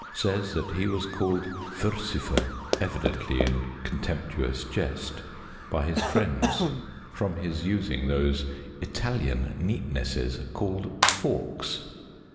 says that he was called " furcifer " (evidently in contemptuous jest) by his friends, from his using those " Italian neatnesses called forks."